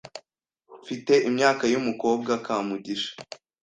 Mfite imyaka yumukobwa Kamugisha.